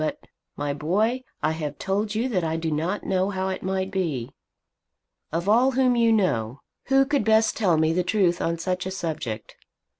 But, my boy, I have told you that I do not know how it might be. Of all whom you know, who could best tell me the truth on such a subject?